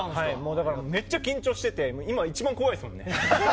だからめっちゃ緊張してて今、一番怖いですよ。